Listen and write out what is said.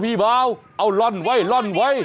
พี่เบ้าเอาลอนไว้